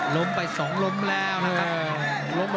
ล้มไป๒ล้มแล้วนะครับ